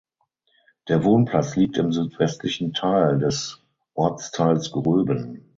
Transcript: Der Wohnplatz liegt im südwestlichen Teil des Ortsteils Gröben.